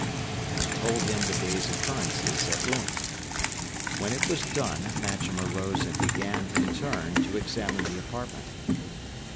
And he told him the day's occurrences at length. When it was done, Matcham arose and began, in turn, to examine the apartment.